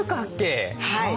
はい。